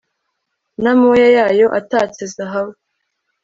n'amoya yayo atatse zahabu